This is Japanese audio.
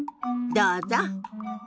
どうぞ。